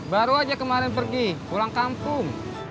baru aja kemarin pergi pulang kampung